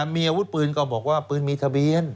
มีอาวุธปืนก็บอกว่าปืนมีทะเบียน